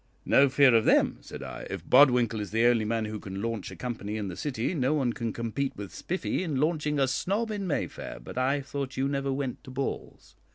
"No fear of them," said I; "if Bodwinkle is the only man who can launch a company in the City, no one can compete with Spiffy in launching a snob in Mayfair. But I thought you never went to balls."